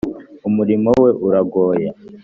umurimo we uragoye.